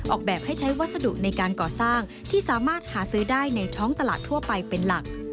แบบให้ใช้วัสดุในการก่อสร้างที่สามารถหาซื้อได้ในท้องตลาดทั่วไปเป็นหลัก